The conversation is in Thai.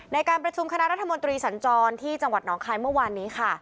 ในการประชุมคณะรัฐมนตรีสัญจรที่จังหวัดหนองคายเมื่อวานนี้ค่ะ